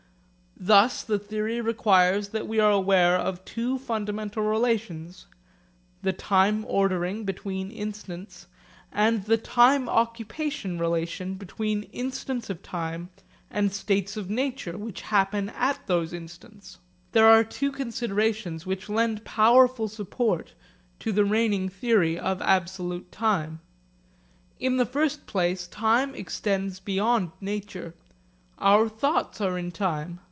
Thus the theory requires that we are aware of two fundamental relations, the time ordering relation between instants, and the time occupation relation between instants of time and states of nature which happen at those instants. There are two considerations which lend powerful support to the reigning theory of absolute time. In the first place time extends beyond nature. Our thoughts are in time.